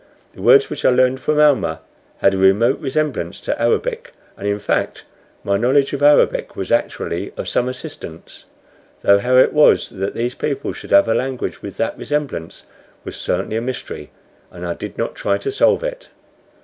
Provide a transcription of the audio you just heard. The words which I learned from Almah had a remote resemblance to Arabic; and, in fact, my knowledge of Arabic was actually of some assistance, though how it was that these people should have a language with that resemblance was certainly a mystery, and I did not try to solve it.